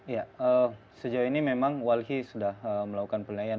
ya sejauh ini memang walhi sudah melakukan penilaian